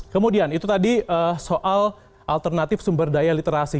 kemudian itu tadi soal alternatif sumber daya literasi